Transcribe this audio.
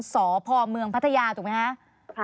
สพเมืองพัทยาถูกไหมคะ